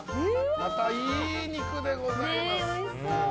またいい肉でございます。